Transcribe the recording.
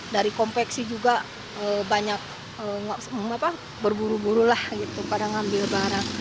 dari kompleksi juga banyak berburu buru pada mengambil barang